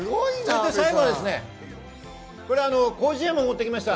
最後は広辞苑も持ってきました。